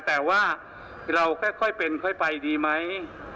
แต่ว่าเราค่อยเป็นค่อยไปดีไหม